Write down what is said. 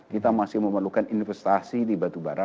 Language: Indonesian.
kita masih memerlukan investasi di batubara